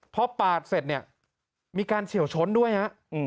พอปาดเสร็จเนี่ยมีการเฉียวชนด้วยฮะ